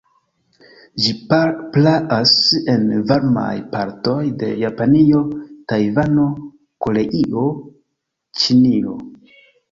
Ĝi praas en varmaj partoj de Japanio, Tajvano, Koreio, Ĉinio.